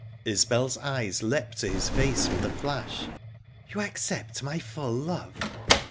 Isbel's eyes leapt to his face with a flash. "You accept my full love?"